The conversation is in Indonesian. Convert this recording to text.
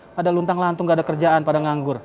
pada luntang lantung gak ada kerjaan pada nganggur